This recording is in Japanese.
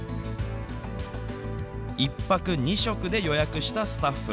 １泊２食で予約したスタッフ。